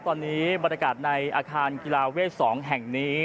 ตอนนี้บรรยากาศในอาคารกีฬาเวท๒แห่งนี้